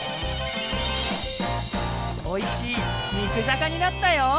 おいしい肉じゃがになったよ。